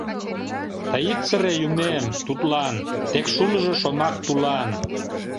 Тый ит сыре, Юмем, тудлан, Тек шулыжо шомак, тулан.